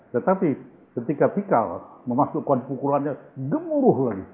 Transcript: tetapi ketika pikal memasukkan pukulannya gemuruh lagi